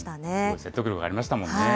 説得力ありましたもんね。